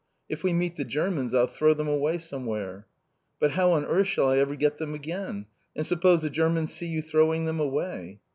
"If we meet the Germans, I'll throw them away somewhere." "But how on earth shall I ever get them again? And suppose the Germans see you throwing them away."